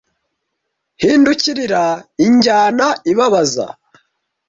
hindukirira injyana ibabaza